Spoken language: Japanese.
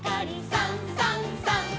「さんさんさん」